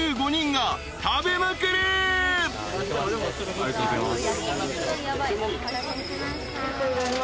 ありがとうございます。